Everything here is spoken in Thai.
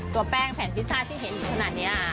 แป้งแผ่นพิซซ่าที่เห็นอยู่ขนาดนี้